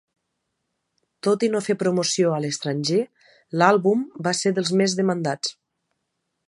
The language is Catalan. Tot i no fer promoció a l'estranger, l'àlbum va ser dels més demandats.